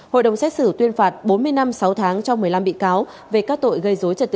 hội đồng xét xử tuyên phạt bốn mươi năm sáu tháng cho một mươi năm bị cáo về các tội gây dối trật tự